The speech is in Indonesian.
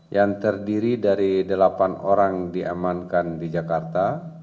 yang terdiri dari delapan orang diamankan di jakarta